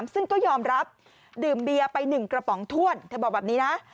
ซึ่งก็ยอมรับดื่มเบียร์ไป๑กระป๋องถ้วนเธอบอกแบบนี้นะ